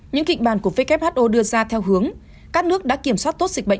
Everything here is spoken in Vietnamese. những kịch bản của who đưa ra theo hướng các nước đã kiểm soát tốt dịch bệnh